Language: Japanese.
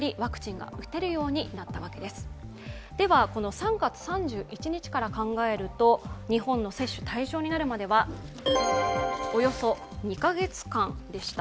３月３１日から考えると日本の接種対象になるまではおよそ２カ月間でした。